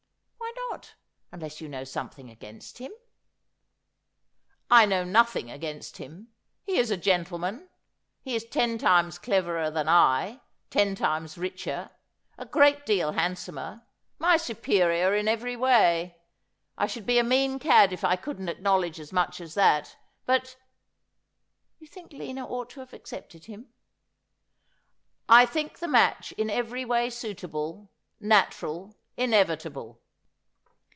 ' Why not, unless you know something against him ?'' I know nothing against him. He is a gentleman. He is ten times cleverer than I, ten times richer, a great deal hand somer — my superior in every way. I should be a mean cad if I couldn't acknowledge as much as that. But '' You think Lina ought to have accepted him.' ' I think the match in every way suitable, natural, inevitable.